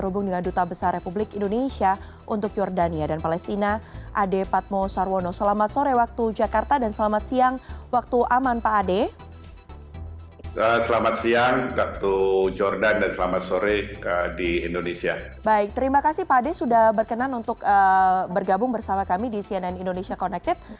baik terima kasih pak ade sudah berkenan untuk bergabung bersama kami di cnn indonesia connected